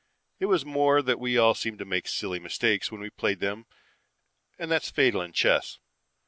It was more that we all seemed to make silly mistakes when we played them and that's fatal in chess.